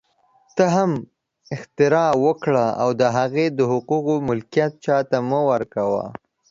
ته هم اختراع وکړه او د هغې د حقوقو ملکیت چا ته مه ورکوه